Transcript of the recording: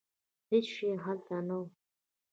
هېڅ شی هلته نه و.